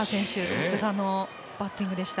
さすがのバッティングでした。